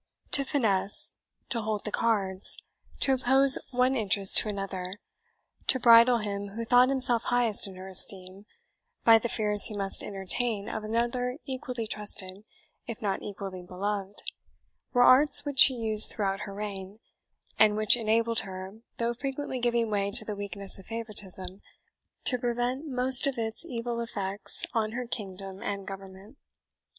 To finesse to hold the cards to oppose one interest to another to bridle him who thought himself highest in her esteem, by the fears he must entertain of another equally trusted, if not equally beloved, were arts which she used throughout her reign, and which enabled her, though frequently giving way to the weakness of favouritism, to prevent most of its evil effects on her kingdom and government.